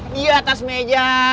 di atas meja